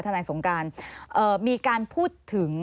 นายสงการมีการพูดถึง